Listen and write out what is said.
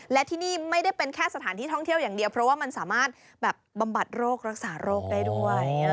และที่นี่ไม่ได้เป็นแค่สถานที่ท่องเที่ยวอย่างเดียวเพราะว่ามันสามารถแบบบำบัดโรครักษาโรคได้ด้วย